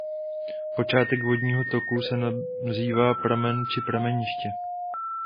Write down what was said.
Počátek vodního toku se nazývá pramen či prameniště.